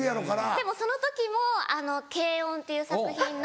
でもその時も『けいおん！』っていう作品の。